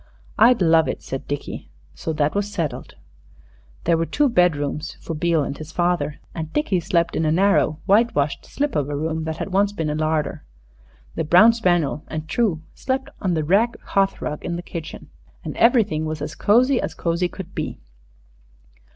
"I'd love it," said Dickie. So that was settled. There were two bedrooms for Beale and his father, and Dickie slept in a narrow, whitewashed slip of a room that had once been a larder. The brown spaniel and True slept on the rag hearth rug in the kitchen. And everything was as cozy as cozy could be.